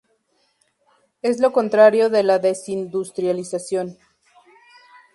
Es lo contrario de la desindustrialización.